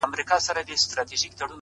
د خوار د ژوند كيسه ماتـه كړه؛